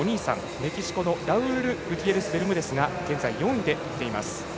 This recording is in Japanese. メキシコのラウル・グティエレスベルムデス現在、４位で追っています。